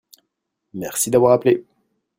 Merci d'avoir appelé.